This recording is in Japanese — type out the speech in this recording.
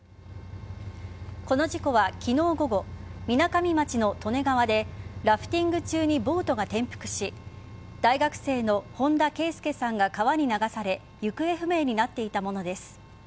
この事故は昨日午後みなかみ町の利根川でラフティング中にボートが転覆し大学生の本田啓祐さんが川に流され行方不明になっていたものです。